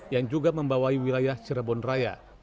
yang juga membawai wilayah cirebon raya